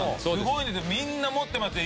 みんな持ってますよ